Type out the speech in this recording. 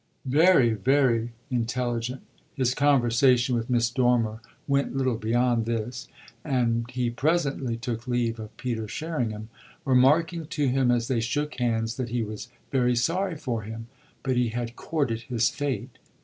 "Very, very intelligent." His conversation with Miss Dormer went little beyond this, and he presently took leave of Peter Sherringham, remarking to him as they shook hands that he was very sorry for him. But he had courted his fate.